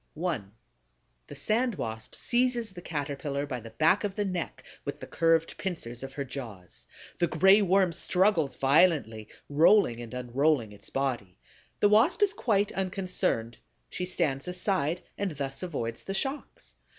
1. The Sand Wasp seizes the Caterpillar by the back of the neck with the curved pincers of her jaws. The Gray Worm struggles violently, rolling and unrolling its body. The Wasp is quite unconcerned: she stands aside and thus avoids the shocks.